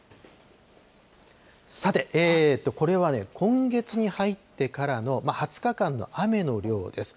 さて、これはね、今月に入ってからの２０日間の雨の量です。